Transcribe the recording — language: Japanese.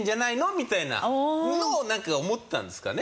みたいなのをなんか思ったんですかね。